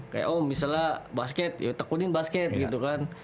kayak om misalnya basket ya tekunin basket gitu kan